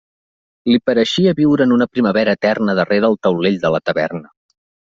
Li pareixia viure en una primavera eterna darrere el taulell de la taverna.